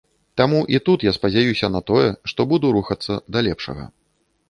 Таму і тут я спадзяюся на тое, што буду рухацца да лепшага.